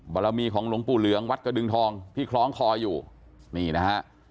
บารมีของหลวงปู่เหลืองวัดกระดึงทองที่คล้องคออยู่นี่นะฮะ